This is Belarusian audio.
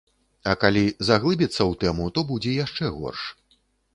А калі заглыбіцца ў тэму, то будзе яшчэ горш.